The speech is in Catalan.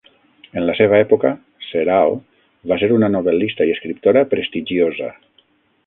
En la seva època, Serao va ser una novel·lista i escriptora prestigiosa.